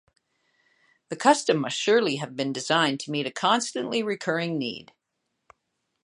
The custom must surely have been designed to meet a constantly recurring need.